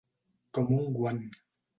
Com un guant.